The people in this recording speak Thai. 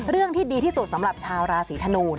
เรื่องที่ดีที่สุดสำหรับชาวราศีธนูน